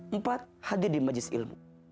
empat hadir di majlis ilmu